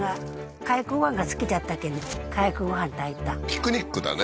ピクニックだね